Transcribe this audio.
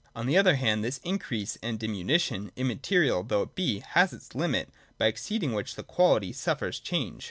On the other hand, this increase and diminution, immaterial though it be, has its limit, by exceeding which the quality suffers change.